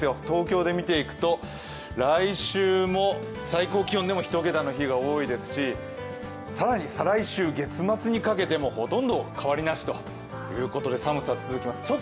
東京で見ていくと、来週も最高気温でも１桁の日が多いですし更に再来週、月末にかけてもほとんど変わりなしということで寒さは続きます。